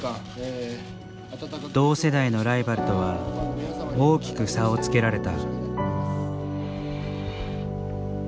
同世代のライバルとは大きく差をつけられた。